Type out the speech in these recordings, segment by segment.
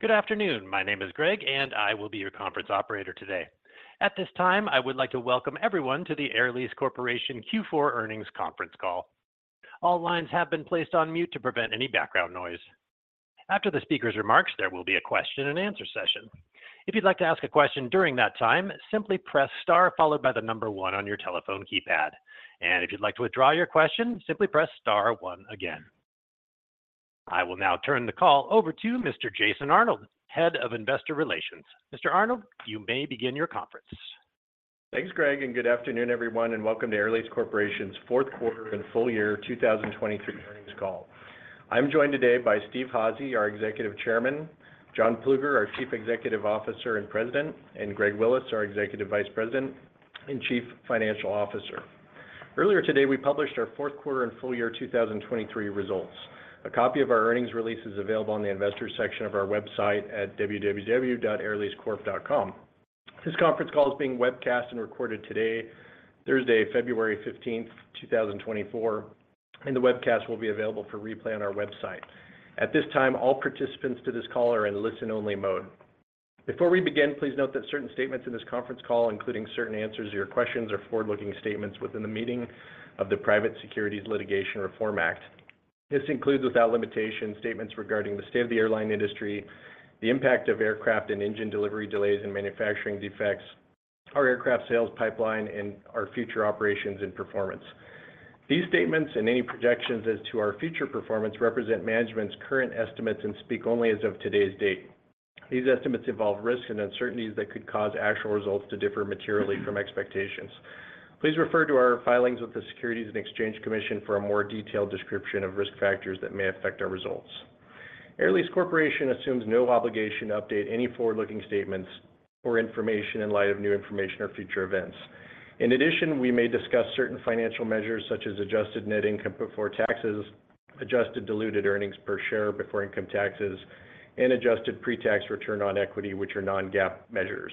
Good afternoon. My name is Greg, and I will be your conference operator today. At this time, I would like to welcome everyone to the Air Lease Corporation Q4 earnings conference call. All lines have been placed on mute to prevent any background noise. After the speaker's remarks, there will be a question-and-answer session. If you'd like to ask a question during that time, simply press Star followed by the number 1 on your telephone keypad. If you'd like to withdraw your question, simply press Star 1 again. I will now turn the call over to Mr. Jason Arnold, Head of Investor Relations. Mr. Arnold, you may begin your conference. Thanks, Greg, and good afternoon, everyone, and welcome to Air Lease Corporation's fourth quarter and full-year 2023 earnings call. I'm joined today by Steve Házy, our Executive Chairman; John Plueger, our Chief Executive Officer and President; and Greg Willis, our Executive Vice President and Chief Financial Officer. Earlier today, we published our fourth quarter and full-year 2023 results. A copy of our earnings release is available on the Investors section of our website at www.airleasecorp.com. This conference call is being webcast and recorded today, Thursday, February 15, 2024, and the webcast will be available for replay on our website. At this time, all participants to this call are in listen-only mode. Before we begin, please note that certain statements in this conference call, including certain answers to your questions or forward-looking statements within the meaning of the Private Securities Litigation Reform Act. This includes, without limitation, statements regarding the state of the airline industry, the impact of aircraft and engine delivery delays and manufacturing defects, our aircraft sales pipeline, and our future operations and performance. These statements and any projections as to our future performance represent management's current estimates and speak only as of today's date. These estimates involve risks and uncertainties that could cause actual results to differ materially from expectations. Please refer to our filings with the Securities and Exchange Commission for a more detailed description of risk factors that may affect our results. Air Lease Corporation assumes no obligation to update any forward-looking statements or information in light of new information or future events. In addition, we may discuss certain financial measures such as adjusted net income before taxes, adjusted diluted earnings per share before income taxes, and adjusted pre-tax return on equity, which are non-GAAP measures.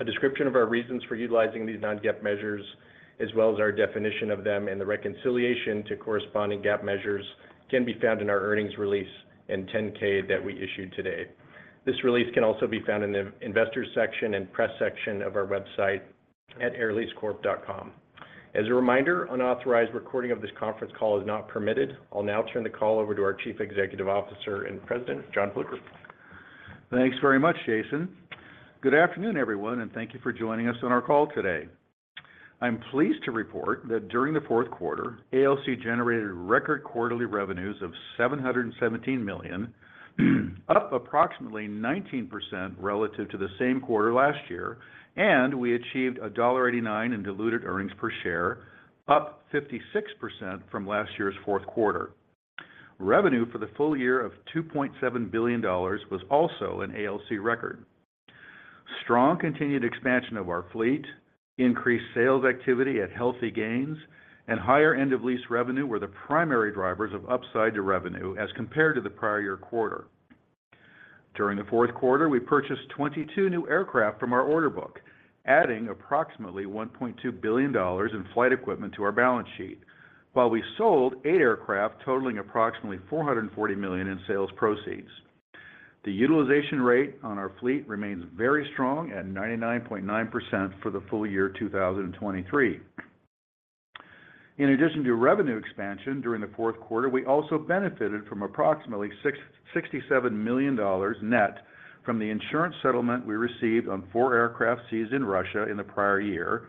A description of our reasons for utilizing these non-GAAP measures, as well as our definition of them and the reconciliation to corresponding GAAP measures, can be found in our earnings release and 10-K that we issued today. This release can also be found in the Investors section and Press section of our website at airleasecorp.com. As a reminder, unauthorized recording of this conference call is not permitted. I'll now turn the call over to our Chief Executive Officer and President, John Plueger. Thanks very much, Jason. Good afternoon, everyone, and thank you for joining us on our call today. I'm pleased to report that during the fourth quarter, ALC generated record quarterly revenues of $717 million, up approximately 19% relative to the same quarter last year, and we achieved $1.89 in diluted earnings per share, up 56% from last year's fourth quarter. Revenue for the full year of $2.7 billion was also an ALC record. Strong continued expansion of our fleet, increased sales activity at healthy gains, and higher end-of-lease revenue were the primary drivers of upside to revenue as compared to the prior year quarter. During the fourth quarter, we purchased 22 new aircraft from our order book, adding approximately $1.2 billion in flight equipment to our balance sheet, while we sold eight aircraft, totaling approximately $440 million in sales proceeds. The utilization rate on our fleet remains very strong at 99.9% for the full year 2023. In addition to revenue expansion during the fourth quarter, we also benefited from approximately $67 million net from the insurance settlement we received on four aircraft seized in Russia in the prior year,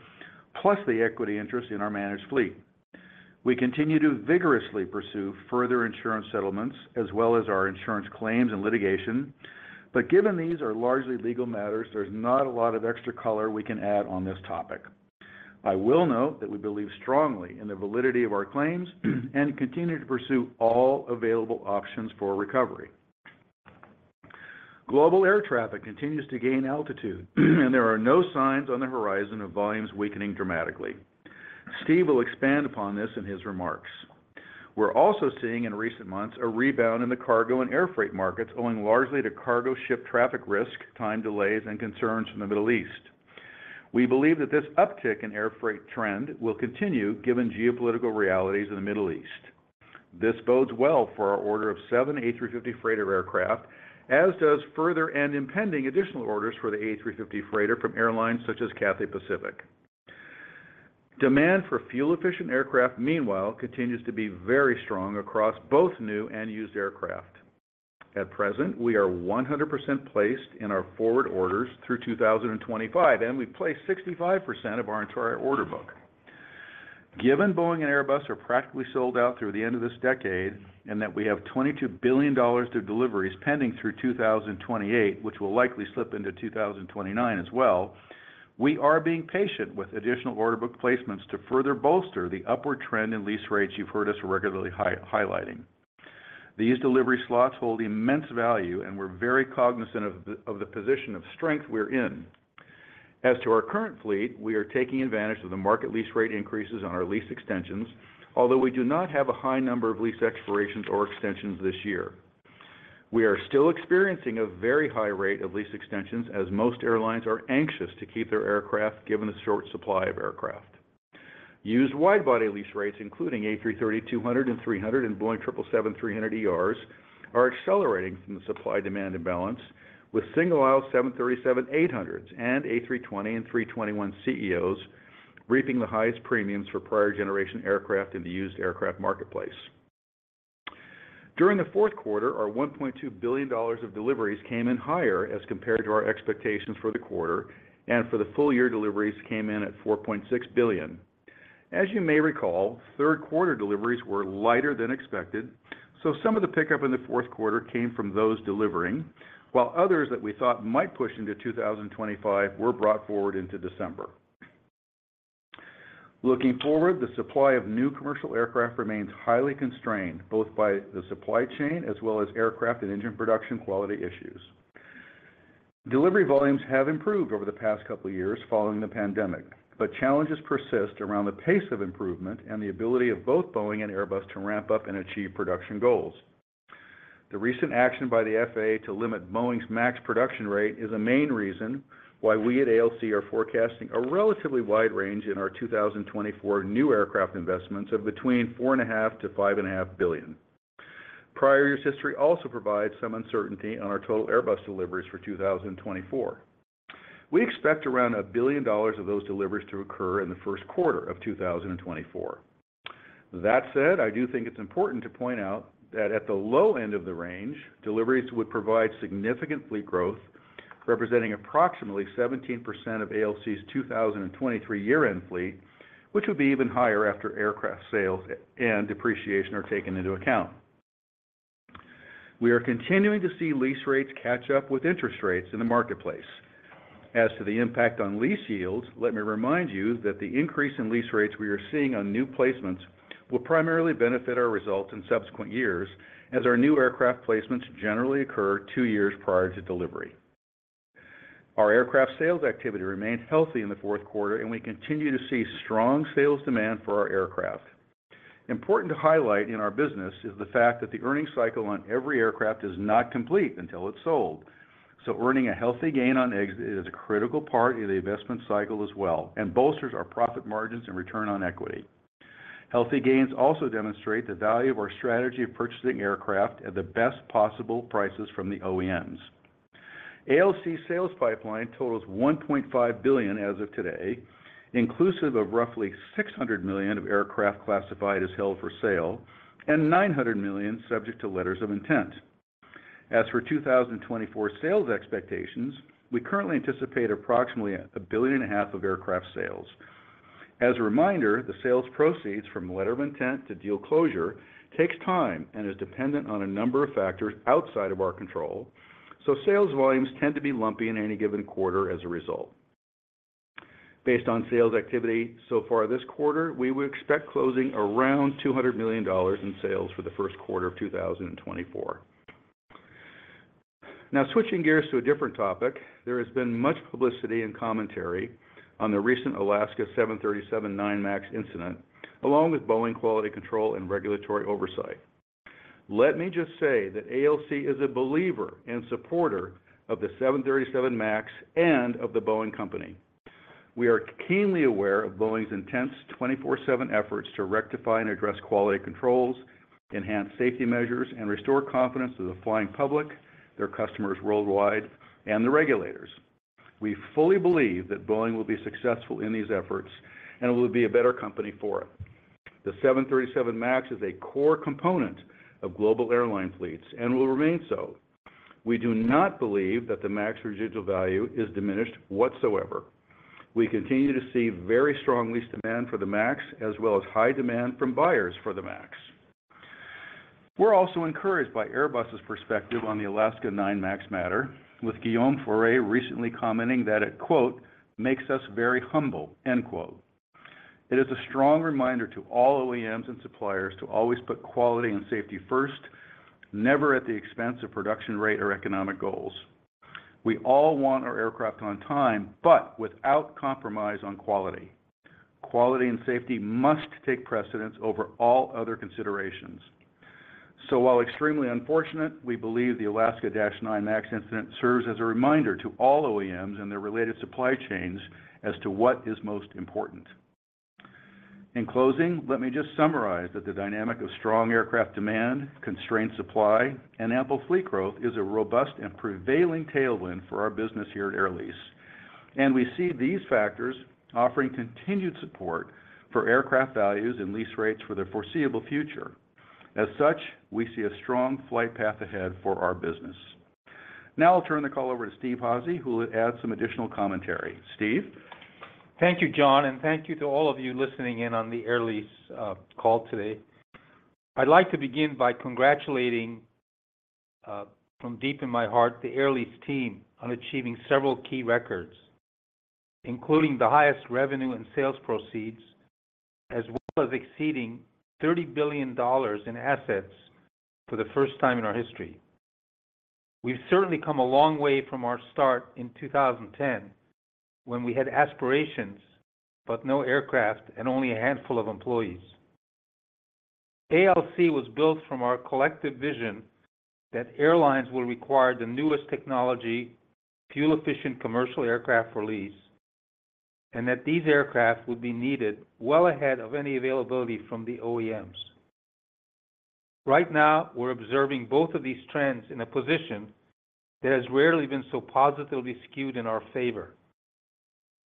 plus the equity interest in our managed fleet. We continue to vigorously pursue further insurance settlements as well as our insurance claims and litigation, but given these are largely legal matters, there's not a lot of extra color we can add on this topic. I will note that we believe strongly in the validity of our claims and continue to pursue all available options for recovery. Global air traffic continues to gain altitude, and there are no signs on the horizon of volumes weakening dramatically. Steve will expand upon this in his remarks. We're also seeing, in recent months, a rebound in the cargo and air freight markets, owing largely to cargo ship traffic risk, time delays, and concerns from the Middle East. We believe that this uptick in air freight trend will continue given geopolitical realities in the Middle East. This bodes well for our order of seven A350 freighter aircraft, as does further and impending additional orders for the A350 freighter from airlines such as Cathay Pacific. Demand for fuel-efficient aircraft, meanwhile, continues to be very strong across both new and used aircraft. At present, we are 100% placed in our forward orders through 2025, and we've placed 65% of our entire order book. Given Boeing and Airbus are practically sold out through the end of this decade and that we have $22 billion of deliveries pending through 2028, which will likely slip into 2029 as well, we are being patient with additional order book placements to further bolster the upward trend in lease rates you've heard us regularly highlighting. These delivery slots hold immense value, and we're very cognizant of the position of strength we're in. As to our current fleet, we are taking advantage of the market lease rate increases on our lease extensions, although we do not have a high number of lease expirations or extensions this year. We are still experiencing a very high rate of lease extensions, as most airlines are anxious to keep their aircraft given the short supply of aircraft. Used widebody lease rates, including A330-200 and A330-300 and Boeing 777-300ERs, are accelerating from the supply-demand imbalance, with single-aisle 737-800s and A320 and A321ceos reaping the highest premiums for prior-generation aircraft in the used aircraft marketplace. During the fourth quarter, our $1.2 billion of deliveries came in higher as compared to our expectations for the quarter, and for the full year, deliveries came in at $4.6 billion. As you may recall, third-quarter deliveries were lighter than expected, so some of the pickup in the fourth quarter came from those delivering, while others that we thought might push into 2025 were brought forward into December. Looking forward, the supply of new commercial aircraft remains highly constrained, both by the supply chain as well as aircraft and engine production quality issues. Delivery volumes have improved over the past couple of years following the pandemic, but challenges persist around the pace of improvement and the ability of both Boeing and Airbus to ramp up and achieve production goals. The recent action by the FAA to limit Boeing's MAX production rate is a main reason why we at ALC are forecasting a relatively wide range in our 2024 new aircraft investments of between $4.5billion-$5.5 billion. Prior year's history also provides some uncertainty on our total Airbus deliveries for 2024. We expect around $1 billion of those deliveries to occur in the first quarter of 2024. That said, I do think it's important to point out that at the low end of the range, deliveries would provide significant fleet growth, representing approximately 17% of ALC's 2023 year-end fleet, which would be even higher after aircraft sales and depreciation are taken into account. We are continuing to see lease rates catch up with interest rates in the marketplace. As to the impact on lease yields, let me remind you that the increase in lease rates we are seeing on new placements will primarily benefit our results in subsequent years, as our new aircraft placements generally occur two years prior to delivery. Our aircraft sales activity remained healthy in the fourth quarter, and we continue to see strong sales demand for our aircraft. Important to highlight in our business is the fact that the earnings cycle on every aircraft is not complete until it's sold. So earning a healthy gain on exit is a critical part of the investment cycle as well, and bolsters our profit margins and return on equity. Healthy gains also demonstrate the value of our strategy of purchasing aircraft at the best possible prices from the OEMs. ALC's sales pipeline totals $1.5 billion as of today, inclusive of roughly $600 million of aircraft classified as held for sale and $900 million subject to letters of intent. As for 2024 sales expectations, we currently anticipate approximately $1.5 billion of aircraft sales. As a reminder, the sales proceeds from letter of intent to deal closure take time and are dependent on a number of factors outside of our control, so sales volumes tend to be lumpy in any given quarter as a result. Based on sales activity so far this quarter, we would expect closing around $200 million in sales for the first quarter of 2024. Now, switching gears to a different topic, there has been much publicity and commentary on the recent Alaska 737-9 MAX incident, along with Boeing quality control and regulatory oversight. Let me just say that ALC is a believer and supporter of the 737 MAX and of the Boeing Company. We are keenly aware of Boeing's intense 24/7 efforts to rectify and address quality controls, enhance safety measures, and restore confidence of the flying public, their customers worldwide, and the regulators. We fully believe that Boeing will be successful in these efforts, and it will be a better company for it. The 737 MAX is a core component of global airline fleets and will remain so. We do not believe that the MAX residual value is diminished whatsoever. We continue to see very strong lease demand for the MAX, as well as high demand from buyers for the MAX. We're also encouraged by Airbus's perspective on the Alaska 737-9 MAX matter, with Guillaume Faury recently commenting that it, "Makes us very humble." It is a strong reminder to all OEMs and suppliers to always put quality and safety first, never at the expense of production rate or economic goals. We all want our aircraft on time, but without compromise on quality. Quality and safety must take precedence over all other considerations. So while extremely unfortunate, we believe the Alaska 737-9 MAX incident serves as a reminder to all OEMs and their related supply chains as to what is most important. In closing, let me just summarize that the dynamic of strong aircraft demand, constrained supply, and ample fleet growth is a robust and prevailing tailwind for our business here at Air Lease, and we see these factors offering continued support for aircraft values and lease rates for the foreseeable future. As such, we see a strong flight path ahead for our business. Now I'll turn the call over to Steve Házy, who will add some additional commentary. Steve. Thank you, John, and thank you to all of you listening in on the Air Lease call today. I'd like to begin by congratulating from deep in my heart the Air Lease team on achieving several key records, including the highest revenue and sales proceeds, as well as exceeding $30 billion in assets for the first time in our history. We've certainly come a long way from our start in 2010, when we had aspirations but no aircraft and only a handful of employees. ALC was built from our collective vision that airlines will require the newest technology, fuel-efficient commercial aircraft for lease, and that these aircraft would be needed well ahead of any availability from the OEMs. Right now, we're observing both of these trends in a position that has rarely been so positively skewed in our favor.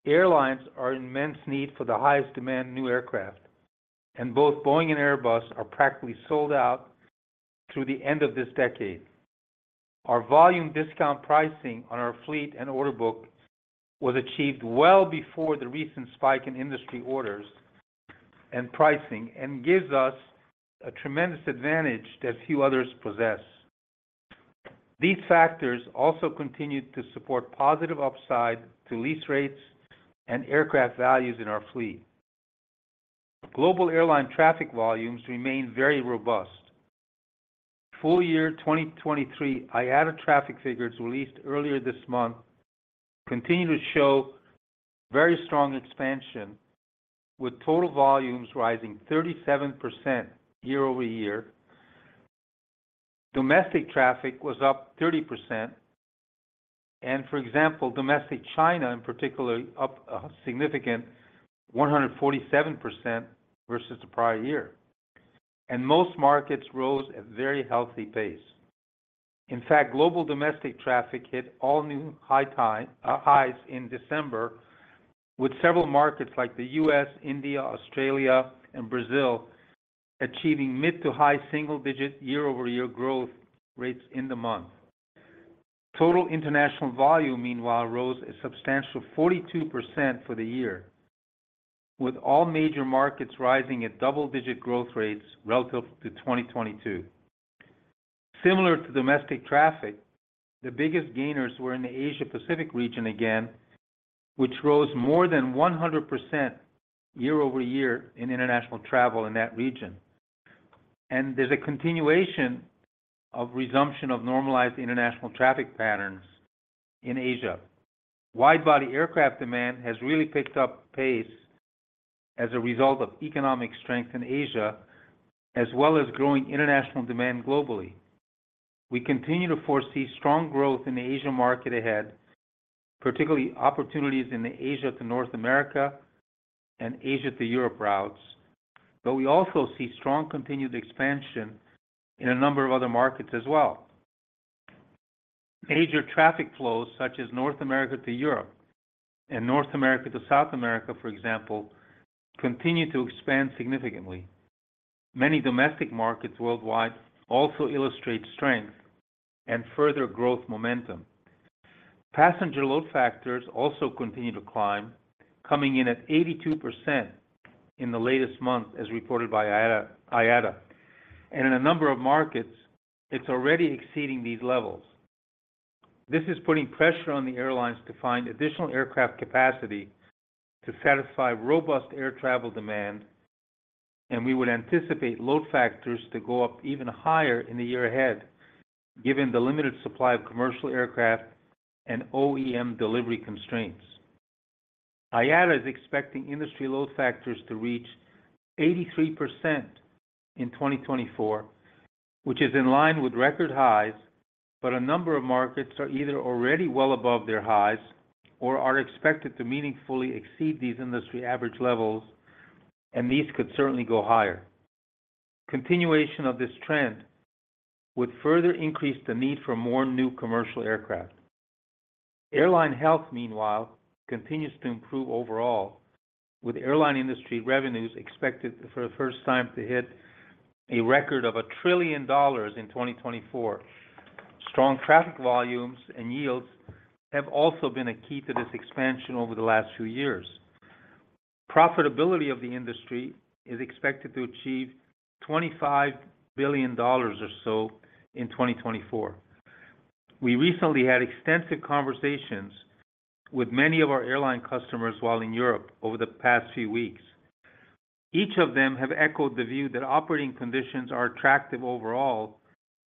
Airlines are in immense need for the highest demand new aircraft, and both Boeing and Airbus are practically sold out through the end of this decade. Our volume discount pricing on our fleet and order book was achieved well before the recent spike in industry orders and pricing and gives us a tremendous advantage that few others possess. These factors also continue to support positive upside to lease rates and aircraft values in our fleet. Global airline traffic volumes remain very robust. Full year 2023 IATA traffic figures released earlier this month continue to show very strong expansion, with total volumes rising 37% year-over-year. Domestic traffic was up 30%, and for example, domestic China in particular, up a significant 147% versus the prior year. Most markets rose at a very healthy pace. In fact, global domestic traffic hit all-new highs in December, with several markets like the U.S., India, Australia, and Brazil achieving mid to high single-digit year-over-year growth rates in the month. Total international volume, meanwhile, rose a substantial 42% for the year, with all major markets rising at double-digit growth rates relative to 2022. Similar to domestic traffic, the biggest gainers were in the Asia-Pacific region again, which rose more than 100% year-over-year in international travel in that region. And there's a continuation of resumption of normalized international traffic patterns in Asia. Widebody aircraft demand has really picked up pace as a result of economic strength in Asia, as well as growing international demand globally. We continue to foresee strong growth in the Asia market ahead, particularly opportunities in the Asia to North America and Asia to Europe routes, but we also see strong continued expansion in a number of other markets as well. Major traffic flows such as North America to Europe and North America to South America, for example, continue to expand significantly. Many domestic markets worldwide also illustrate strength and further growth momentum. Passenger load factors also continue to climb, coming in at 82% in the latest month, as reported by IATA. In a number of markets, it's already exceeding these levels. This is putting pressure on the airlines to find additional aircraft capacity to satisfy robust air travel demand, and we would anticipate load factors to go up even higher in the year ahead, given the limited supply of commercial aircraft and OEM delivery constraints. IATA is expecting industry load factors to reach 83% in 2024, which is in line with record highs, but a number of markets are either already well above their highs or are expected to meaningfully exceed these industry average levels, and these could certainly go higher. Continuation of this trend would further increase the need for more new commercial aircraft. Airline health, meanwhile, continues to improve overall, with airline industry revenues expected for the first time to hit a record of $1 trillion in 2024. Strong traffic volumes and yields have also been a key to this expansion over the last few years. Profitability of the industry is expected to achieve $25 billion or so in 2024. We recently had extensive conversations with many of our airline customers while in Europe over the past few weeks. Each of them have echoed the view that operating conditions are attractive overall,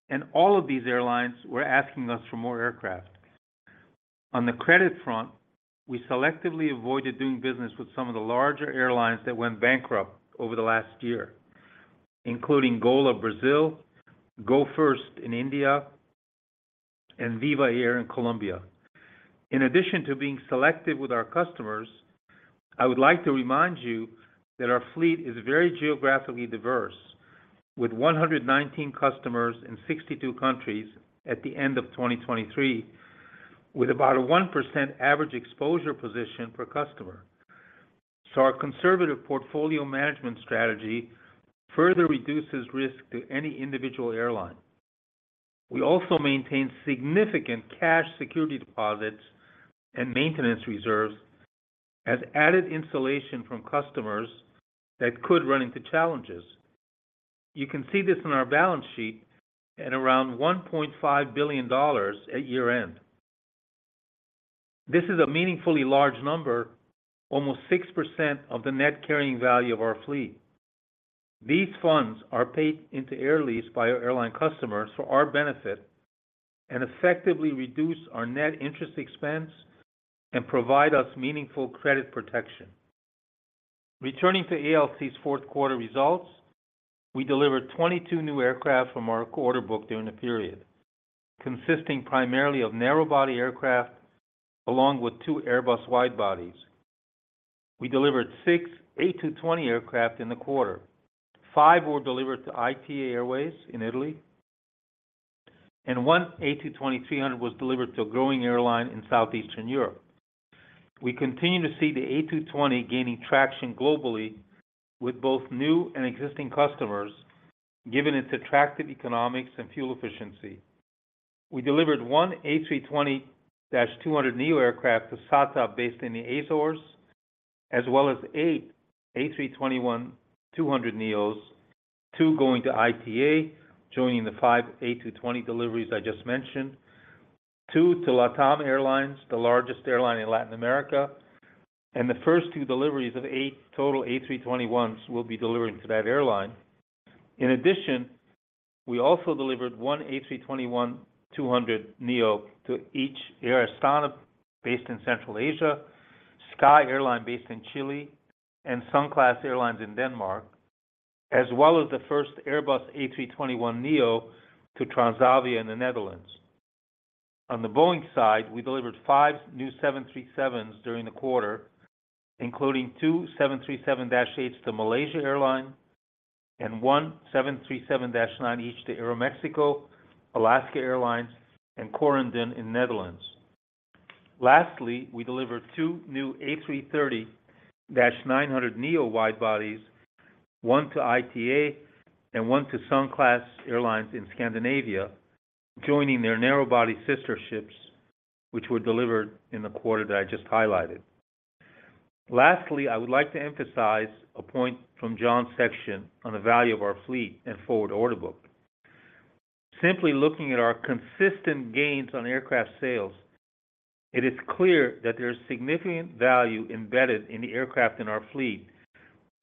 and all of these airlines were asking us for more aircraft. On the credit front, we selectively avoided doing business with some of the larger airlines that went bankrupt over the last year, including Gol Brazil, Go First in India, and Viva Air in Colombia. In addition to being selective with our customers, I would like to remind you that our fleet is very geographically diverse, with 119 customers in 62 countries at the end of 2023, with about a 1% average exposure position per customer. So our conservative portfolio management strategy further reduces risk to any individual airline. We also maintain significant cash security deposits and maintenance reserves as added insulation from customers that could run into challenges. You can see this in our balance sheet at around $1.5 billion at year-end. This is a meaningfully large number, almost 6% of the net carrying value of our fleet. These funds are paid into Air Lease by our airline customers for our benefit and effectively reduce our net interest expense and provide us meaningful credit protection. Returning to ALC's fourth quarter results, we delivered 22 new aircraft from our order book during the period, consisting primarily of narrowbody aircraft along with two Airbus widebodies. We delivered six A220 aircraft in the quarter. Five were delivered to ITA Airways in Italy, and one A220-300 was delivered to a growing airline in Southeastern Europe. We continue to see the A220 gaining traction globally with both new and existing customers, given its attractive economics and fuel efficiency. We delivered 1 A320-200neo aircraft to SATA based in the Azores, as well as 8 A321-200neos, 2 going to ITA, joining the 5 A220 deliveries I just mentioned, 2 to LATAM Airlines, the largest airline in Latin America, and the first 2 deliveries of 8 total A321s will be delivered to that airline. In addition, we also delivered 1 A321-200neo to each Air Astana based in Central Asia, Sky Airline based in Chile, and Sunclass Airlines in Denmark, as well as the first Airbus A321neo to Transavia in the Netherlands. On the Boeing side, we delivered five new 737s during the quarter, including two 737-8s to Malaysia Airlines and one 737-9 each to Aeroméxico, Alaska Airlines, and Corendon in the Netherlands. Lastly, we delivered two new A330-900neo widebodies, one to ITA and one to Sunclass Airlines in Scandinavia, joining their narrowbody sister ships, which were delivered in the quarter that I just highlighted. Lastly, I would like to emphasize a point from John's section on the value of our fleet and forward order book. Simply looking at our consistent gains on aircraft sales, it is clear that there is significant value embedded in the aircraft in our fleet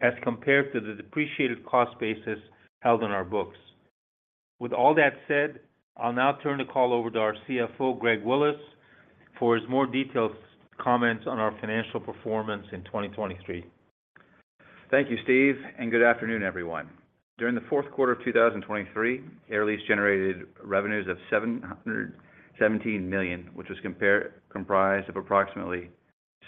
as compared to the depreciated cost basis held in our books. With all that said, I'll now turn the call over to our CFO, Greg Willis, for his more detailed comments on our financial performance in 2023. Thank you, Steve, and good afternoon, everyone. During the fourth quarter of 2023, Air Lease generated revenues of $717 million, which was comprised of approximately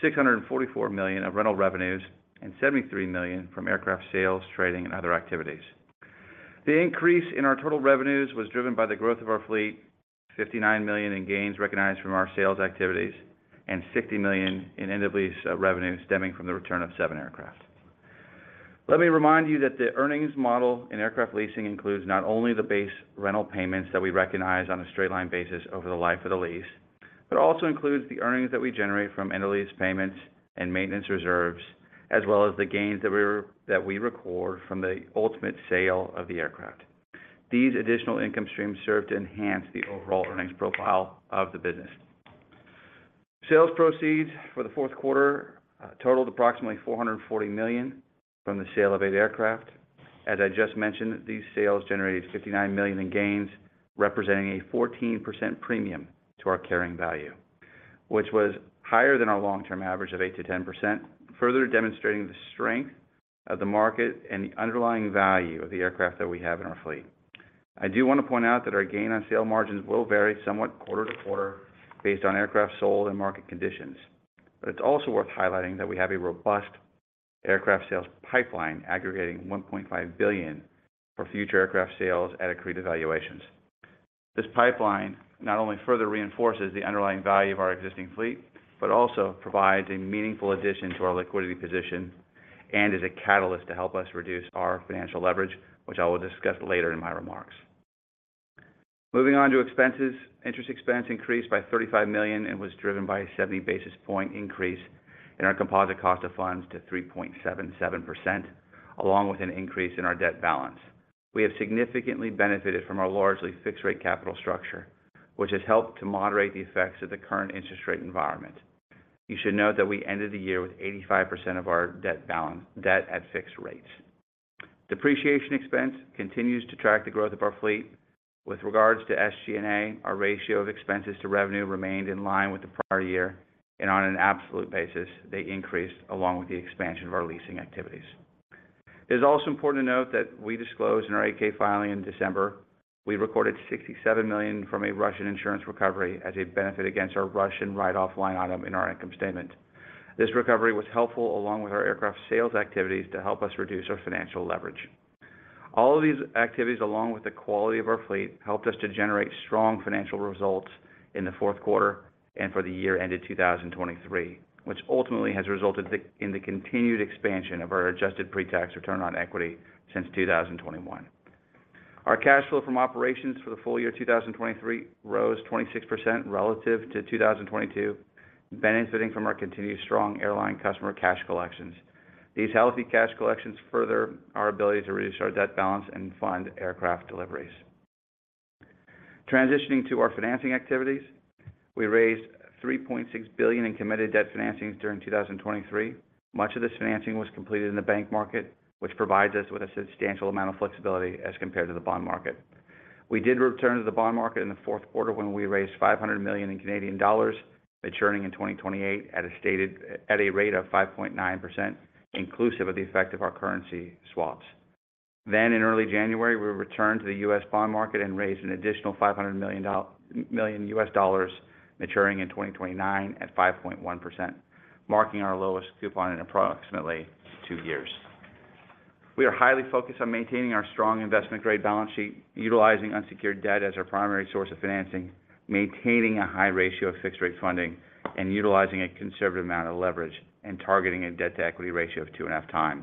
$644 million of rental revenues and $73 million from aircraft sales, trading, and other activities. The increase in our total revenues was driven by the growth of our fleet, $59 million in gains recognized from our sales activities, and $60 million in end-of-lease revenues stemming from the return of seven aircraft. Let me remind you that the earnings model in aircraft leasing includes not only the base rental payments that we recognize on a straight-line basis over the life of the lease, but also includes the earnings that we generate from end-of-lease payments and maintenance reserves, as well as the gains that we record from the ultimate sale of the aircraft. These additional income streams serve to enhance the overall earnings profile of the business. Sales proceeds for the fourth quarter totaled approximately $440 million from the sale of eight aircraft. As I just mentioned, these sales generated $59 million in gains, representing a 14% premium to our carrying value, which was higher than our long-term average of 8%-10%, further demonstrating the strength of the market and the underlying value of the aircraft that we have in our fleet. I do want to point out that our gain on sale margins will vary somewhat quarter to quarter based on aircraft sold and market conditions, but it's also worth highlighting that we have a robust aircraft sales pipeline aggregating $1.5 billion for future aircraft sales at accrete evaluations. This pipeline not only further reinforces the underlying value of our existing fleet, but also provides a meaningful addition to our liquidity position and is a catalyst to help us reduce our financial leverage, which I will discuss later in my remarks. Moving on to expenses, interest expense increased by $35 million and was driven by a 70 basis point increase in our composite cost of funds to 3.77%, along with an increase in our debt balance. We have significantly benefited from our largely fixed-rate capital structure, which has helped to moderate the effects of the current interest rate environment. You should note that we ended the year with 85% of our debt at fixed rates. Depreciation expense continues to track the growth of our fleet. With regards to SG&A, our ratio of expenses to revenue remained in line with the prior year, and on an absolute basis, they increased along with the expansion of our leasing activities. It is also important to note that we disclosed in our 8-K filing in December. We recorded $67 million from a Russian insurance recovery as a benefit against our Russian write-off line item in our income statement. This recovery was helpful along with our aircraft sales activities to help us reduce our financial leverage. All of these activities, along with the quality of our fleet, helped us to generate strong financial results in the fourth quarter and for the year ended 2023, which ultimately has resulted in the continued expansion of our adjusted pre-tax return on equity since 2021. Our cash flow from operations for the full year 2023 rose 26% relative to 2022, benefiting from our continued strong airline customer cash collections. These healthy cash collections further our ability to reduce our debt balance and fund aircraft deliveries. Transitioning to our financing activities, we raised $3.6 billion in committed debt financings during 2023. Much of this financing was completed in the bank market, which provides us with a substantial amount of flexibility as compared to the bond market. We did return to the bond market in the fourth quarter when we raised 500 million, maturing in 2028 at a rate of 5.9% inclusive of the effect of our currency swaps. Then, in early January, we returned to the U.S. bond market and raised an additional $500 million, maturing in 2029 at 5.1%, marking our lowest coupon in approximately two years. We are highly focused on maintaining our strong investment-grade balance sheet, utilizing unsecured debt as our primary source of financing, maintaining a high ratio of fixed-rate funding, and utilizing a conservative amount of leverage and targeting a debt-to-equity ratio of 2.5x.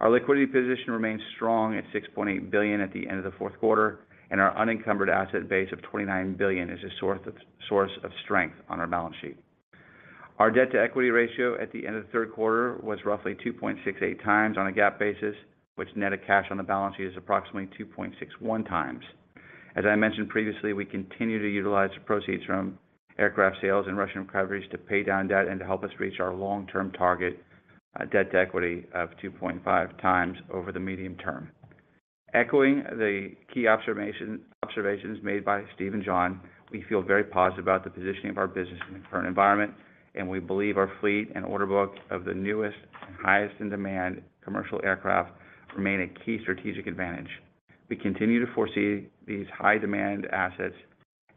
Our liquidity position remains strong at $6.8 billion at the end of the fourth quarter, and our unencumbered asset base of $29 billion is a source of strength on our balance sheet. Our debt-to-equity ratio at the end of the third quarter was roughly 2.68 times on a GAAP basis, which, net of cash on the balance sheet, is approximately 2.61x. As I mentioned previously, we continue to utilize the proceeds from aircraft sales and Russian recoveries to pay down debt and to help us reach our long-term target debt-to-equity of 2.5x over the medium term. Echoing the key observations made by Steve and John, we feel very positive about the positioning of our business in the current environment, and we believe our fleet and order book of the newest and highest-in-demand commercial aircraft remain a key strategic advantage. We continue to foresee these high-demand assets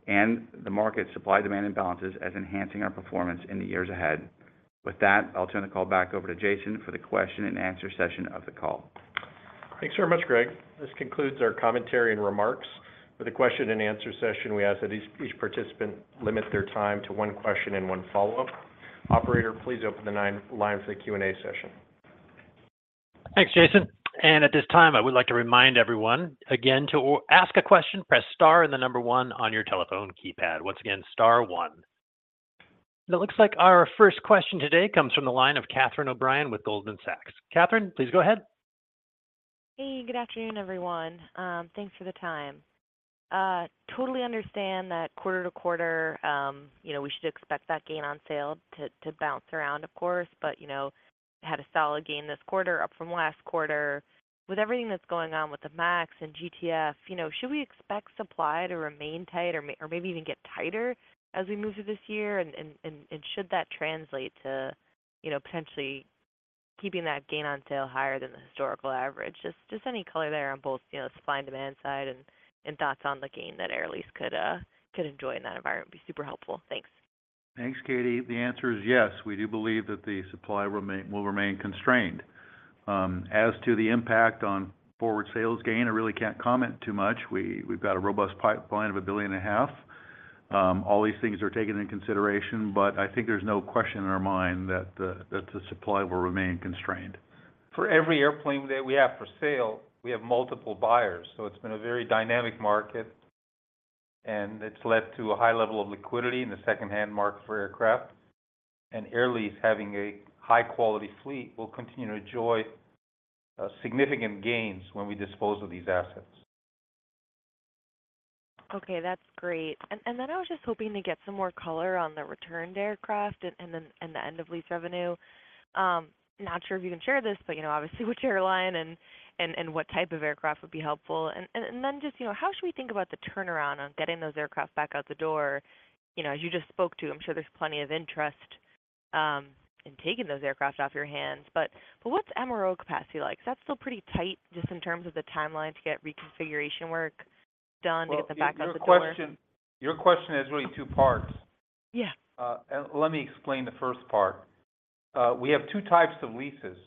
and the market supply-demand imbalances as enhancing our performance in the years ahead. With that, I'll turn the call back over to Jason for the question-and-answer session of the call. Thanks very much, Greg. This concludes our commentary and remarks. For the question-and-answer session, we ask that each participant limit their time to one question and one follow-up. Operator, please open the line for the Q&A session. Thanks, Jason. At this time, I would like to remind everyone again to ask a question, press star and the number one on your telephone keypad. Once again, star one. Now, it looks like our first question today comes from the line of Catherine O'Brien with Goldman Sachs. Catherine, please go ahead. Hey, good afternoon, everyone. Thanks for the time. Totally understand that quarter-to-quarter, we should expect that gain on sale to bounce around, of course, but had a solid gain this quarter, up from last quarter. With everything that's going on with the MAX and GTF, should we expect supply to remain tight or maybe even get tighter as we move through this year? And should that translate to potentially keeping that gain on sale higher than the historical average? Just any color there on both supply and demand side and thoughts on the gain that Air Lease could enjoy in that environment would be super helpful. Thanks. Thanks, Catie. The answer is yes. We do believe that the supply will remain constrained. As to the impact on forward sales gain, I really can't comment too much. We've got a robust pipeline of $1.5 billion. All these things are taken into consideration, but I think there's no question in our mind that the supply will remain constrained. For every airplane that we have for sale, we have multiple buyers. It's been a very dynamic market, and it's led to a high level of liquidity in the second-hand market for aircraft. Air Lease having a high-quality fleet will continue to enjoy significant gains when we dispose of these assets. Okay, that's great. And then I was just hoping to get some more color on the returned aircraft and the end-of-lease revenue. Not sure if you can share this, but obviously, which airline and what type of aircraft would be helpful? And then just how should we think about the turnaround on getting those aircraft back out the door? As you just spoke to, I'm sure there's plenty of interest in taking those aircraft off your hands. But what's MRO capacity like? Is that still pretty tight just in terms of the timeline to get reconfiguration work done to get them back out the door? Your question has really two parts. Let me explain the first part. We have two types of leases.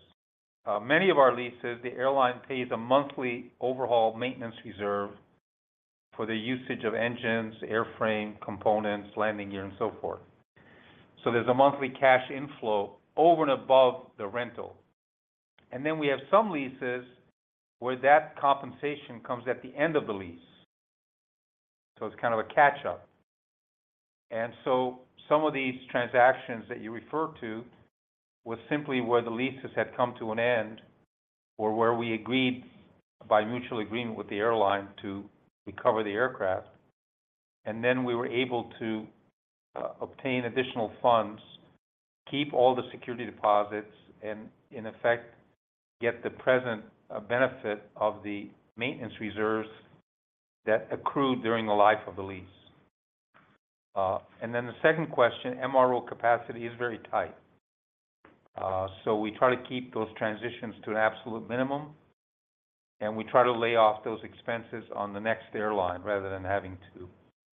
Many of our leases, the airline pays a monthly overhaul maintenance reserve for the usage of engines, airframe, components, landing gear, and so forth. So there's a monthly cash inflow over and above the rental. And then we have some leases where that compensation comes at the end of the lease. So it's kind of a catch-up. And so some of these transactions that you referred to were simply where the leases had come to an end or where we agreed by mutual agreement with the airline to recover the aircraft. And then we were able to obtain additional funds, keep all the security deposits, and, in effect, get the present benefit of the maintenance reserves that accrued during the life of the lease. And then the second question, MRO capacity is very tight. So we try to keep those transitions to an absolute minimum, and we try to lay off those expenses on the next airline rather than having to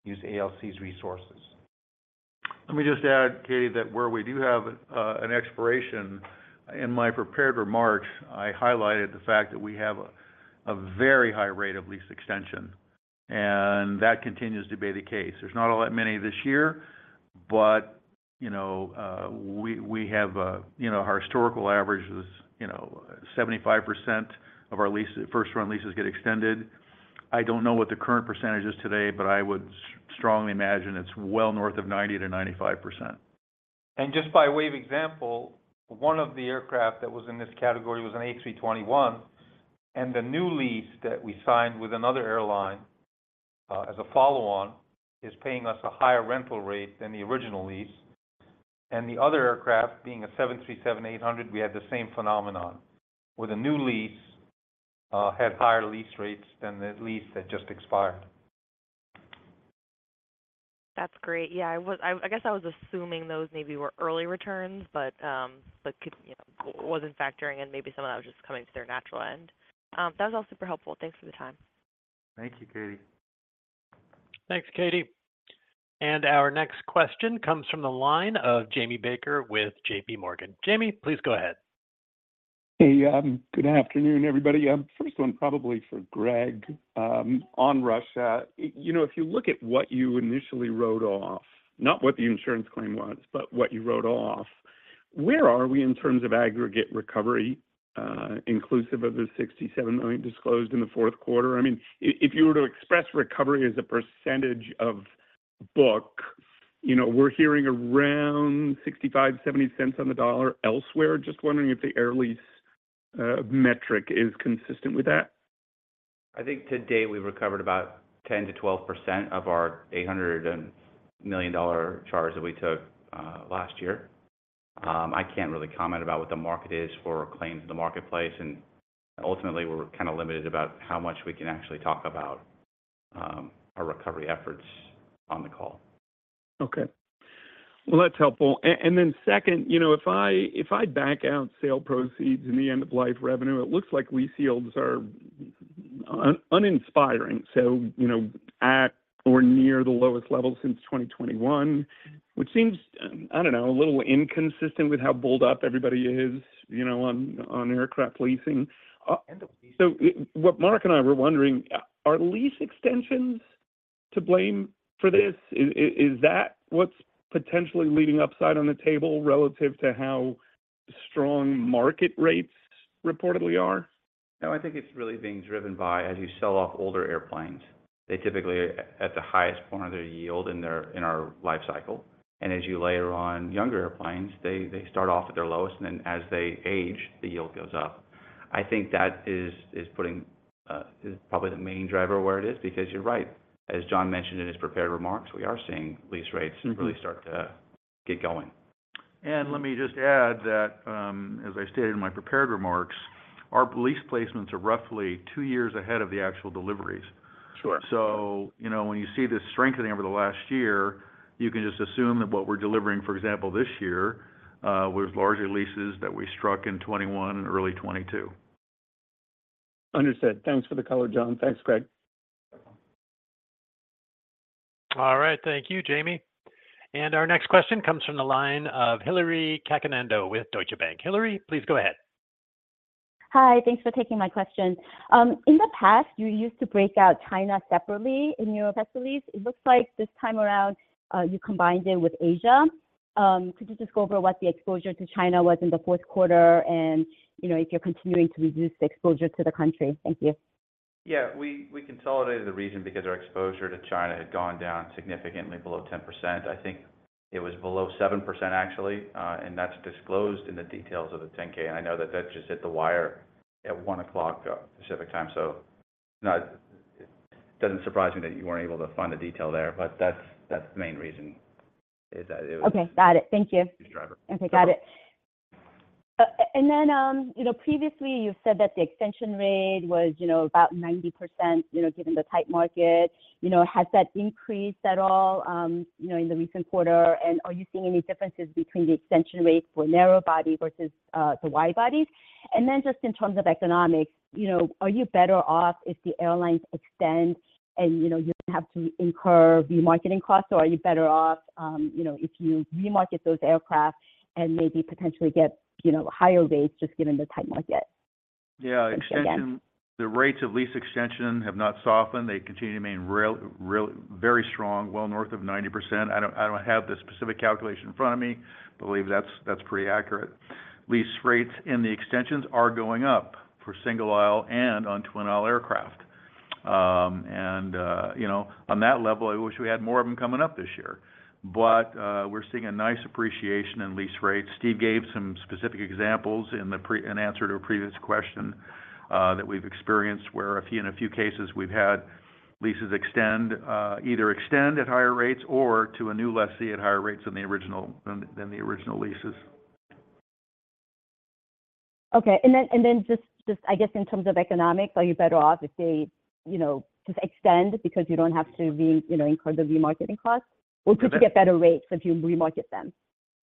use ALC's resources. Let me just add, Catie, that where we do have an expiration, in my prepared remarks, I highlighted the fact that we have a very high rate of lease extension, and that continues to be the case. There's not all that many this year, but we have our historical average is 75% of our first-run leases get extended. I don't know what the current percentage is today, but I would strongly imagine it's well north of 90%-95%. Just by way of example, one of the aircraft that was in this category was an A321, and the new lease that we signed with another airline as a follow-on is paying us a higher rental rate than the original lease. The other aircraft, being a 737-800, we had the same phenomenon, where the new lease had higher lease rates than the lease that just expired. That's great. Yeah, I guess I was assuming those maybe were early returns, but wasn't factoring in maybe some of that was just coming to their natural end. That was all super helpful. Thanks for the time. Thank you, Katie. Thanks, Katie. And our next question comes from the line of Jamie Baker with JPMorgan. Jamie, please go ahead. Hey, good afternoon, everybody. First one, probably for Greg on Russia. If you look at what you initially wrote off, not what the insurance claim was, but what you wrote off, where are we in terms of aggregate recovery inclusive of the $67 million disclosed in the fourth quarter? I mean, if you were to express recovery as a percentage of book, we're hearing around 65-70 cents on the dollar elsewhere. Just wondering if the Air Lease metric is consistent with that. I think today we've recovered about 10%-12% of our $800 million charge that we took last year. I can't really comment about what the market is for claims in the marketplace, and ultimately, we're kind of limited about how much we can actually talk about our recovery efforts on the call. Okay. Well, that's helpful. And then second, if I back out sale proceeds and the end-of-lease revenue, it looks like lease yields are uninspiring, so at or near the lowest level since 2021, which seems, I don't know, a little inconsistent with how bullish everybody is on aircraft leasing. End-of-lease? What Mark and I were wondering, are lease extensions to blame for this? Is that what's potentially leading upside on the table relative to how strong market rates reportedly are? No, I think it's really being driven by, as you sell off older airplanes, they typically are at the highest point of their yield in our life cycle. And as you layer on younger airplanes, they start off at their lowest, and then as they age, the yield goes up. I think that is probably the main driver of where it is because you're right. As John mentioned in his prepared remarks, we are seeing lease rates really start to get going. Let me just add that, as I stated in my prepared remarks, our lease placements are roughly two years ahead of the actual deliveries. When you see this strengthening over the last year, you can just assume that what we're delivering, for example, this year, was largely leases that we struck in 2021 and early 2022. Understood. Thanks for the color, John. Thanks, Greg. All right. Thank you, Jamie. And our next question comes from the line of Hillary Cacanando with Deutsche Bank. Hillary, please go ahead. Hi. Thanks for taking my question. In the past, you used to break out China separately in your segments. It looks like this time around, you combined it with Asia. Could you just go over what the exposure to China was in the fourth quarter and if you're continuing to reduce the exposure to the country? Thank you. Yeah, we consolidated the reason because our exposure to China had gone down significantly below 10%. I think it was below 7%, actually, and that's disclosed in the details of the 10-K. And I know that that just hit the wire at 1:00 P.M. Pacific Time. So it doesn't surprise me that you weren't able to find the detail there, but that's the main reason is that it was. Okay. Got it. Thank you. Driver. Okay. Got it. And then previously, you've said that the extension rate was about 90% given the tight market. Has that increased at all in the recent quarter? And are you seeing any differences between the extension rate for narrow bodies versus the wide bodies? And then just in terms of economics, are you better off if the airlines extend and you don't have to incur remarketing costs, or are you better off if you remarket those aircraft and maybe potentially get higher rates just given the tight market? Yeah, the rates of lease extension have not softened. They continue to remain very strong, well north of 90%. I don't have the specific calculation in front of me, but I believe that's pretty accurate. Lease rates in the extensions are going up for single aisle and on twin aisle aircraft. And on that level, I wish we had more of them coming up this year. But we're seeing a nice appreciation in lease rates. Steve gave some specific examples in answer to a previous question that we've experienced where in a few cases, we've had leases either extend at higher rates or to a new lessee at higher rates than the original leases. Okay. And then just, I guess, in terms of economics, are you better off if they just extend because you don't have to incur the remarketing costs, or could you get better rates if you remarket them?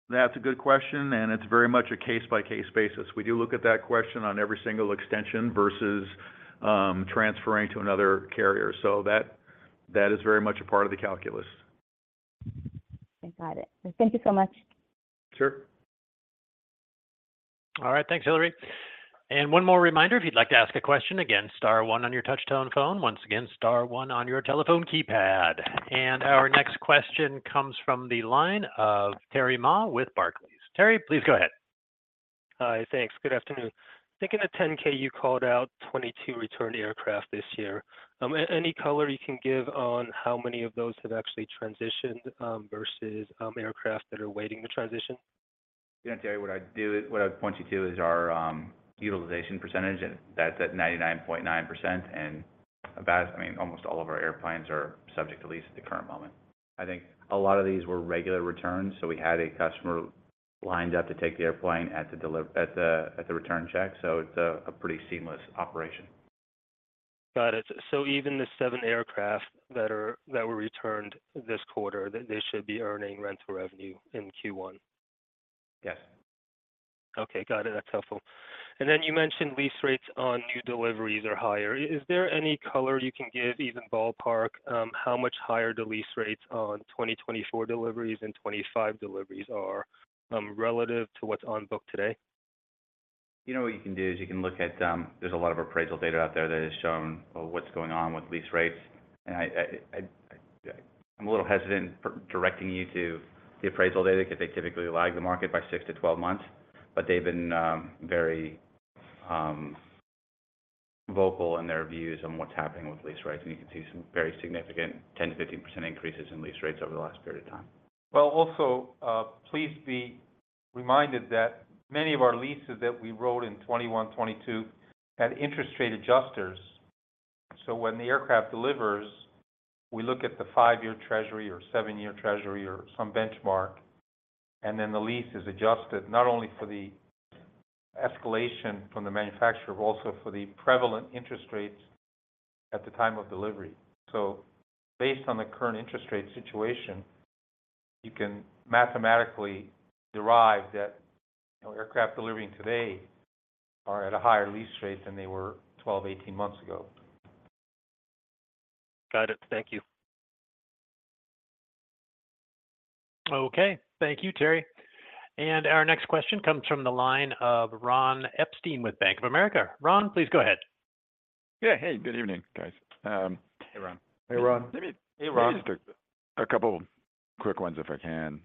That's a good question, and it's very much a case-by-case basis. We do look at that question on every single extension versus transferring to another carrier. So that is very much a part of the calculus. Okay. Got it. Thank you so much. Sure. All right. Thanks, Hillary. And one more reminder, if you'd like to ask a question, again, star one on your touch-tone phone. Once again, star one on your telephone keypad. And our next question comes from the line of Terry Ma with Barclays. Terry, please go ahead. Hi. Thanks. Good afternoon. Thinking of 10-K, you called out 22 returned aircraft this year. Any color you can give on how many of those have actually transitioned versus aircraft that are waiting to transition? Yeah, Terry, what I'd point you to is our utilization percentage. That's at 99.9%. And I mean, almost all of our airplanes are subject to lease at the current moment. I think a lot of these were regular returns, so we had a customer lined up to take the airplane at the return check. So it's a pretty seamless operation. Got it. So even the 7 aircraft that were returned this quarter, they should be earning rental revenue in Q1? Yes. Okay. Got it. That's helpful. And then you mentioned lease rates on new deliveries are higher. Is there any color you can give, even ballpark, how much higher the lease rates on 2024 deliveries and 2025 deliveries are relative to what's on book today? You know what you can do is you can look at there's a lot of appraisal data out there that has shown what's going on with lease rates. And I'm a little hesitant in directing you to the appraisal data because they typically lag the market by six months to 12 months, but they've been very vocal in their views on what's happening with lease rates. And you can see some very significant 10%-15% increases in lease rates over the last period of time. Well, also, please be reminded that many of our leases that we wrote in 2021, 2022 had interest rate adjusters. So when the aircraft delivers, we look at the five-year treasury or seven-year treasury or some benchmark, and then the lease is adjusted not only for the escalation from the manufacturer, but also for the prevalent interest rates at the time of delivery. So based on the current interest rate situation, you can mathematically derive that aircraft delivering today are at a higher lease rate than they were 12, 18 months ago. Got it. Thank you. Okay. Thank you, Terry. And our next question comes from the line of Ron Epstein with Bank of America. Ron, please go ahead. Yeah. Hey. Good evening, guys. Hey, Ron. Hey, Ron. Hey, Ron. Maybe just a couple of quick ones if I can.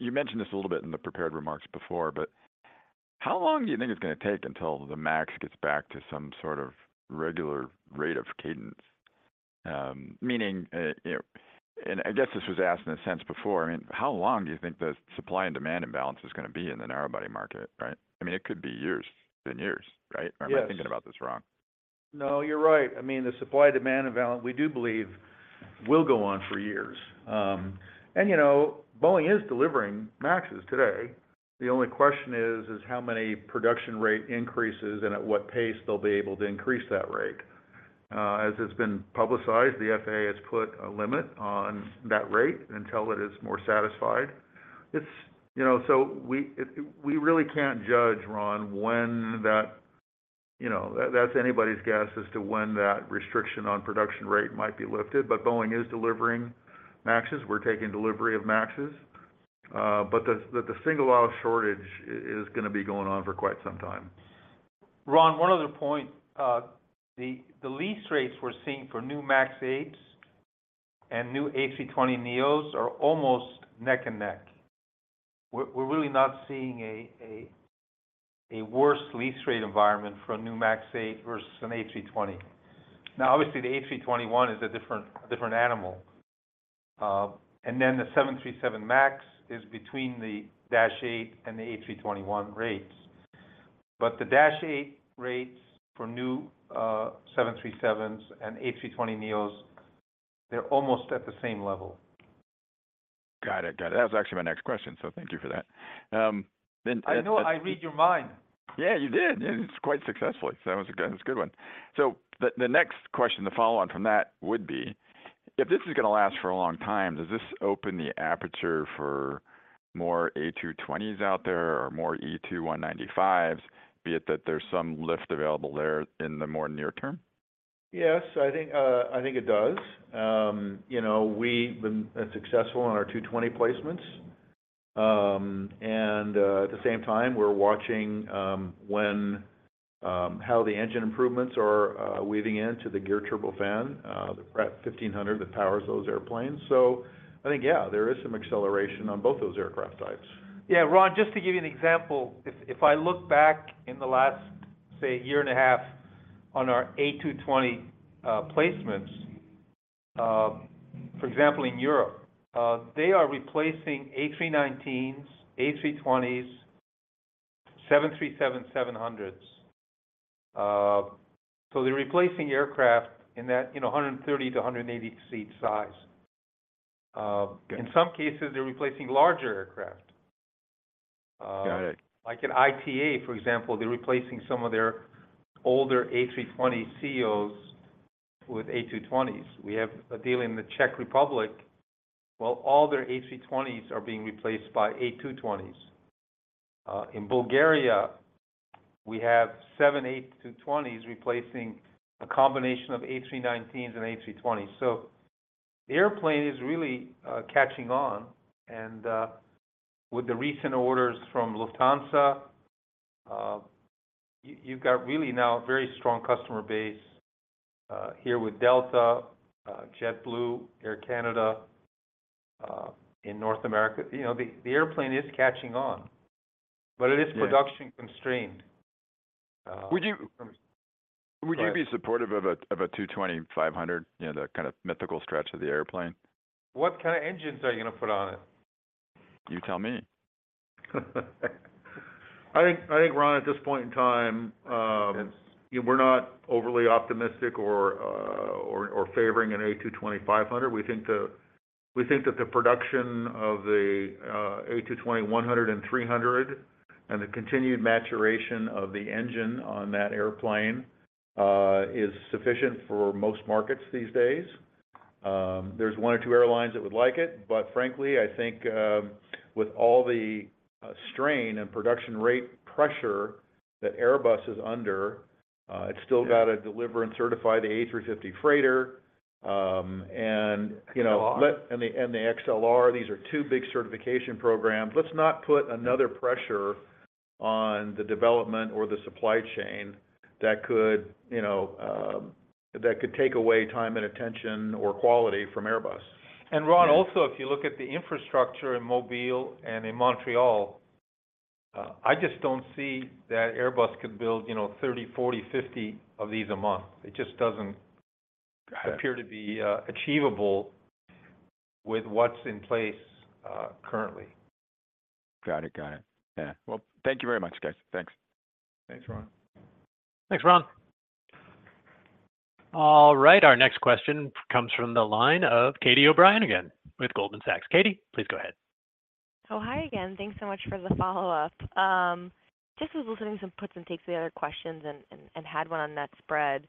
You mentioned this a little bit in the prepared remarks before, but how long do you think it's going to take until the MAX gets back to some sort of regular rate of cadence? I guess this was asked in a sense before. I mean, how long do you think the supply and demand imbalance is going to be in the narrow-body market, right? I mean, it could be years and years, right? Or am I thinking about this wrong? No, you're right. I mean, the supply-demand imbalance, we do believe, will go on for years. Boeing is delivering MAXes today. The only question is how many production rate increases and at what pace they'll be able to increase that rate. As it's been publicized, the FAA has put a limit on that rate until it is more satisfied. So we really can't judge, Ron, when that that's anybody's guess as to when that restriction on production rate might be lifted. But Boeing is delivering MAXes. We're taking delivery of MAXes. But the single aisle shortage is going to be going on for quite some time. Ron, one other point. The lease rates we're seeing for new MAX 8s and new A320neos are almost neck and neck. We're really not seeing a worse lease rate environment for a new MAX 8 versus an A320. Now, obviously, the A321 is a different animal. And then the 737 MAX is between the -8 and the A321 rates. But the -8 rates for new 737s and A320neos, they're almost at the same level. Got it. Got it. That was actually my next question, so thank you for that. I know. I read your mind. Yeah, you did. Yeah, it's quite successfully. So that was a good one. So the next question, the follow-on from that, would be, if this is going to last for a long time, does this open the aperture for more A220s out there or more E2 195s, be it that there's some lift available there in the more near term? Yes, I think it does. We've been successful in our A220 placements. And at the same time, we're watching how the engine improvements are weaving into the geared turbofan, the PW1500 that powers those airplanes. So I think, yeah, there is some acceleration on both those aircraft types. Yeah. Ron, just to give you an example, if I look back in the last, say, year and a half on our A220 placements, for example, in Europe, they are replacing A319s, A320s, 737-700s. So they're replacing aircraft in that 130-180-seat size. In some cases, they're replacing larger aircraft. Like an ITA, for example, they're replacing some of their older A320ceos with A220s. We have a deal in the Czech Republic. Well, all their A320s are being replaced by A220s. In Bulgaria, we have 7 A220s replacing a combination of A319s and A320s. The airplane is really catching on. With the recent orders from Lufthansa, you've got really now a very strong customer base here with Delta, JetBlue, Air Canada in North America. The airplane is catching on, but it is production-constrained. Would you be supportive of an A220-500, the kind of mythical stretch of the airplane? What kind of engines are you going to put on it? You tell me. I think, Ron, at this point in time, we're not overly optimistic or favoring an A220-500. We think that the production of the A220-100 and A220-300 and the continued maturation of the engine on that airplane is sufficient for most markets these days. There's one or two airlines that would like it. But frankly, I think with all the strain and production rate pressure that Airbus is under, it's still got to deliver and certify the A350 freighter. And the A321XLR, these are two big certification programs. Let's not put another pressure on the development or the supply chain that could take away time and attention or quality from Airbus. And Ron, also, if you look at the infrastructure in Mobile and in Montreal, I just don't see that Airbus could build 30, 40, 50 of these a month. It just doesn't appear to be achievable with what's in place currently. Got it. Got it. Yeah. Well, thank you very much, guys. Thanks. Thanks, Ron. Thanks, Ron. All right. Our next question comes from the line of Catie O'Brien again with Goldman Sachs. Katie, please go ahead. Oh, hi again. Thanks so much for the follow-up. Just was listening to some puts and takes to the other questions and had one on net spread.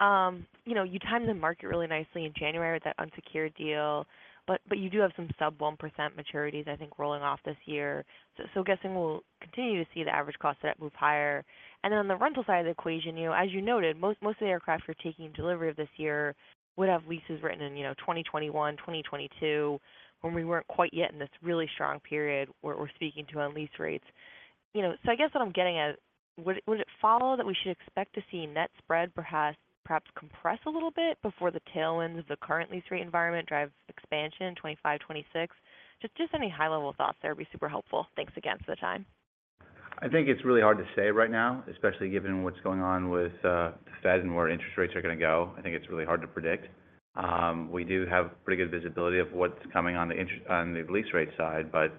You timed the market really nicely in January with that unsecured deal, but you do have some sub-1% maturities, I think, rolling off this year. So guessing we'll continue to see the average cost setup move higher. And then on the rental side of the equation, as you noted, most of the aircraft you're taking delivery of this year would have leases written in 2021, 2022, when we weren't quite yet in this really strong period where we're speaking to unleased rates. So I guess what I'm getting at, would it follow that we should expect to see net spread perhaps compress a little bit before the tailwinds of the current lease rate environment drive expansion 2025, 2026? Just any high-level thoughts there would be super helpful. Thanks again for the time. I think it's really hard to say right now, especially given what's going on with the Fed and where interest rates are going to go. I think it's really hard to predict. We do have pretty good visibility of what's coming on the lease rate side, but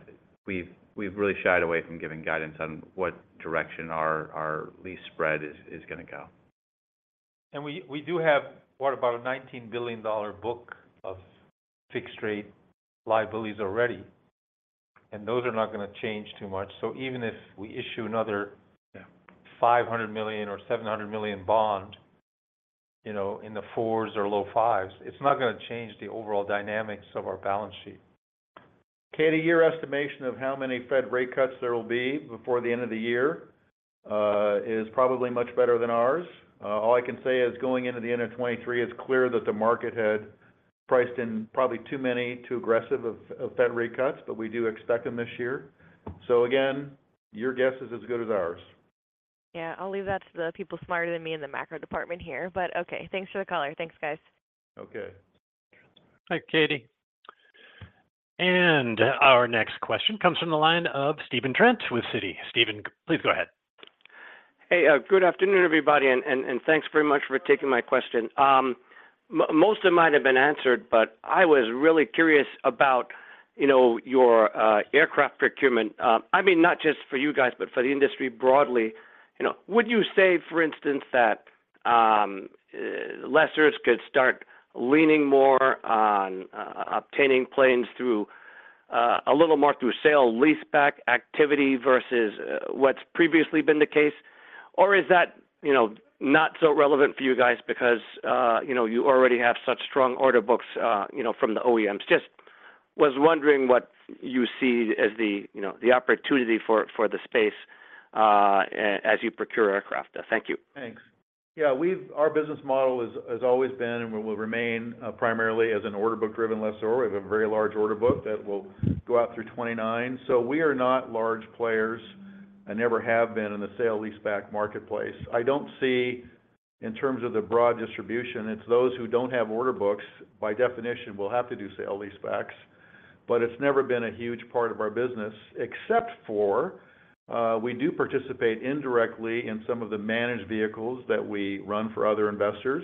we've really shied away from giving guidance on what direction our lease spread is going to go. We do have what, about a $19 billion book of fixed-rate liabilities already. Those are not going to change too much. So even if we issue another $500 million or $700 million bond in the fours or low fives, it's not going to change the overall dynamics of our balance sheet. Katie, your estimation of how many Fed rate cuts there will be before the end of the year is probably much better than ours. All I can say is going into the end of 2023, it's clear that the market had priced in probably too many, too aggressive of Fed rate cuts, but we do expect them this year. Again, your guess is as good as ours. Yeah. I'll leave that to the people smarter than me in the macro department here. But okay. Thanks for the caller. Thanks, guys. Okay. Hi, Katie. Our next question comes from the line of Stephen Trent with Citi. Stephen, please go ahead. Hey. Good afternoon, everybody. And thanks very much for taking my question. Most of mine have been answered, but I was really curious about your aircraft procurement. I mean, not just for you guys, but for the industry broadly. Would you say, for instance, that lessors could start leaning more on obtaining planes a little more through sale leaseback activity versus what's previously been the case? Or is that not so relevant for you guys because you already have such strong order books from the OEMs? Just was wondering what you see as the opportunity for the space as you procure aircraft there. Thank you. Thanks. Yeah. Our business model has always been and will remain primarily as an order-book-driven lessor. We have a very large order book that will go out through 2029. So we are not large players and never have been in the sale leaseback marketplace. I don't see, in terms of the broad distribution, it's those who don't have order books, by definition, will have to do sale leasebacks. But it's never been a huge part of our business, except for we do participate indirectly in some of the managed vehicles that we run for other investors.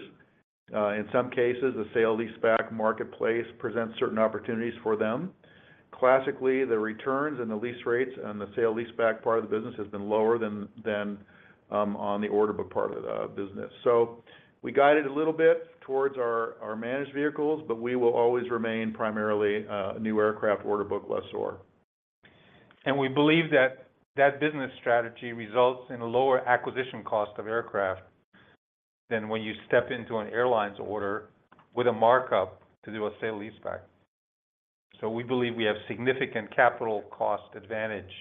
In some cases, the sale leaseback marketplace presents certain opportunities for them. Classically, the returns and the lease rates on the sale leaseback part of the business have been lower than on the order book part of the business. So we guided a little bit towards our managed vehicles, but we will always remain primarily a new aircraft order book lessor. And we believe that that business strategy results in a lower acquisition cost of aircraft than when you step into an airline's order with a markup to do a sale leaseback. We believe we have significant capital cost advantage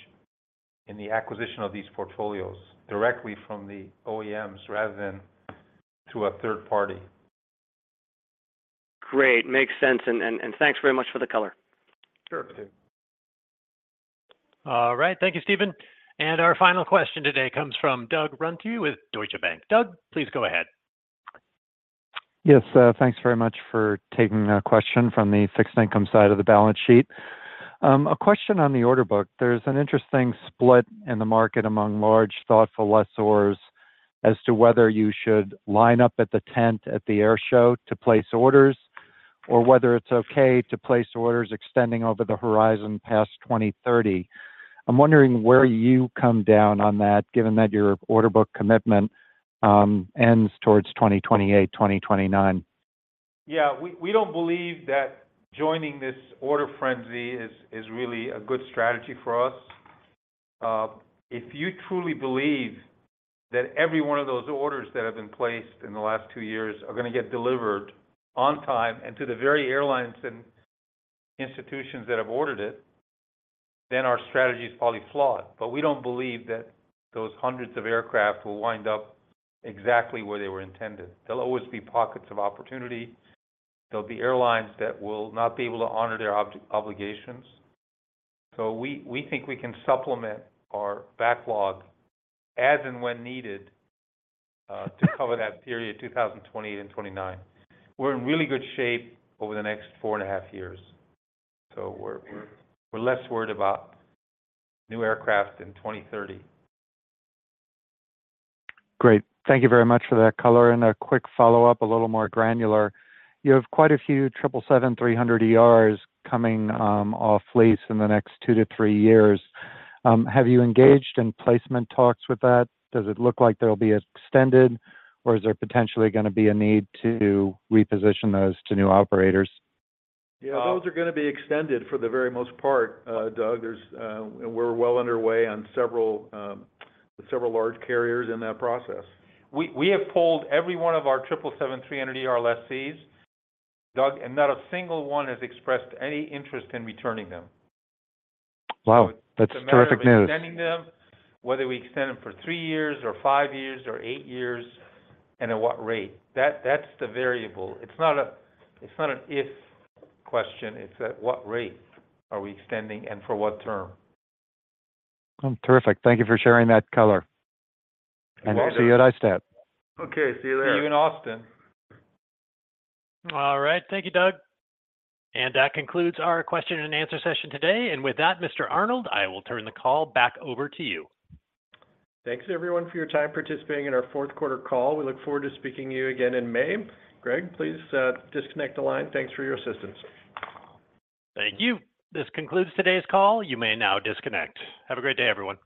in the acquisition of these portfolios directly from the OEMs rather than through a third party. Great. Makes sense. Thanks very much for the color. Sure. All right. Thank you, Stephen. And our final question today comes from Doug Runte with Deutsche Bank. Doug, please go ahead. Yes. Thanks very much for taking a question from the fixed income side of the balance sheet. A question on the order book. There's an interesting split in the market among large, thoughtful lessors as to whether you should line up at the tent at the air show to place orders or whether it's okay to place orders extending over the horizon past 2030. I'm wondering where you come down on that, given that your order book commitment ends towards 2028, 2029? Yeah. We don't believe that joining this order frenzy is really a good strategy for us. If you truly believe that every one of those orders that have been placed in the last two years are going to get delivered on time and to the very airlines and institutions that have ordered it, then our strategy is probably flawed. But we don't believe that those hundreds of aircraft will wind up exactly where they were intended. There'll always be pockets of opportunity. There'll be airlines that will not be able to honor their obligations. So we think we can supplement our backlog as and when needed to cover that period, 2028 and 2029. We're in really good shape over the next four and a half years. So we're less worried about new aircraft in 2030. Great. Thank you very much for that color. And a quick follow-up, a little more granular. You have quite a few 777-300ERs coming off lease in the next 2-3 years. Have you engaged in placement talks with that? Does it look like they'll be extended, or is there potentially going to be a need to reposition those to new operators? Yeah. Those are going to be extended for the very most part, Doug. We're well underway with several large carriers in that process. We have pulled every one of our 777-300ER leases, Doug, and not a single one has expressed any interest in returning them. Wow. That's terrific news. Whether we're extending them, whether we extend them for three years or five years or eight years and at what rate. That's the variable. It's not an if question. It's at what rate are we extending and for what term. Terrific. Thank you for sharing that color. See you at ISTAT. Okay. See you there. See you in Austin. All right. Thank you, Doug. And that concludes our question-and-answer session today. And with that, Mr. Arnold, I will turn the call back over to you. Thanks, everyone, for your time participating in our fourth-quarter call. We look forward to speaking to you again in May. Greg, please disconnect the line. Thanks for your assistance. Thank you. This concludes today's call. You may now disconnect. Have a great day, everyone.